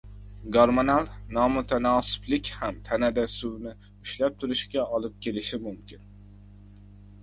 Gormonal nomutanosiblik ham tanada suvni ushlab turishga olib kelishi mumkin